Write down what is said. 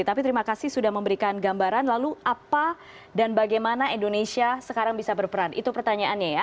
tapi terima kasih sudah memberikan gambaran lalu apa dan bagaimana indonesia sekarang bisa berperan itu pertanyaannya ya